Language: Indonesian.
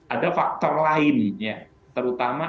ada faktor lainnya terutama